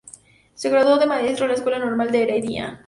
Se graduó de maestro en la Escuela Normal de Heredia.